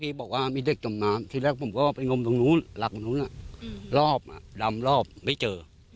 พี่บอกว่ามีเด็กต่ำน้ำที่แล้วผมก็เป็นที่นูนลักนู้นนะรอบอ่ะดำรอบไม่เจอ